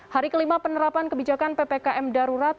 hari kelima penerapan kebijakan ppkm darurat